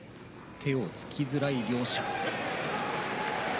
手をつきづらい両者です。